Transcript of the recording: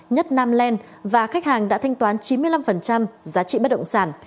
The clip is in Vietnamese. nhất nam land và khách hàng đã thanh toán chín mươi năm giá trị bất động sản